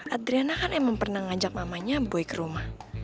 adriana kan emang pernah ngajak mamanya boy ke rumah